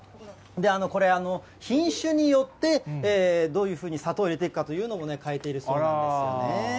これ、品種によって、どういうふうに砂糖を入れていくのかというのを変えているそうなんですよね。